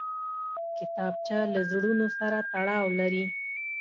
کتابچه له زړونو سره تړاو لري